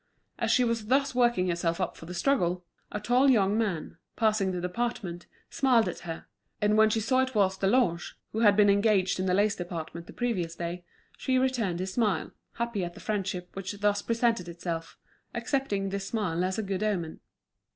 As she was thus working herself up for the struggle, a tall young man, passing the department, smiled at her; and when she saw it was Deloche, who had been engaged in the lace department the previous day, she returned his smile, happy at the friendship which thus presented itself, accepting this smile as a good omen.